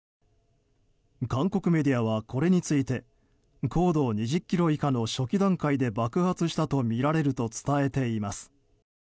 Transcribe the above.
韓国メディアはこれについて高度２０ｋｍ以下の初期段階で爆発したとみられると伝えています。